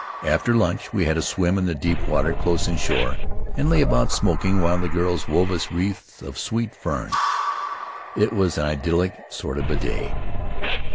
After lunch we had a swim in the deep water close inshore and lay about smoking while the girls wove us wreaths of sweet fern. It was an idyllic sort of a day.